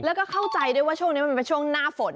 แล้วก็เข้าใจด้วยว่าช่วงนี้มันเป็นช่วงหน้าฝน